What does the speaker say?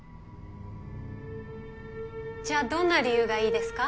じゃあどんな理由がいいですか？